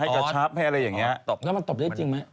ก็มันตบได้จริงไหม